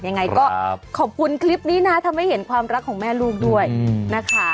ยังไงก็ขอบคุณคลิปนี้นะทำให้เห็นความรักของแม่ลูกด้วยนะคะ